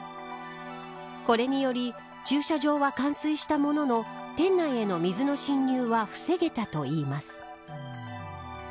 これにより駐車場は冠水したものの店内への水の浸入は防げたといいます。